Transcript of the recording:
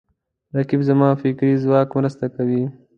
رقیب زما د فکري ځواک مرسته کوي